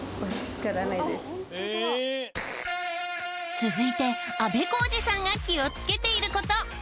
続いてあべこうじさんが気をつけている事。